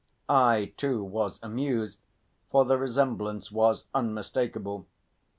I, too, was amused, for the resemblance was unmistakable.